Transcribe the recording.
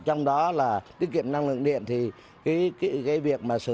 trong đó là tiết kiệm năng lượng điện thì cái việc mà sử dụng